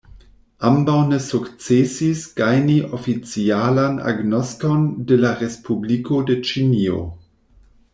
Ambaŭ ne sukcesis gajni oficialan agnoskon de la respubliko de Ĉinio.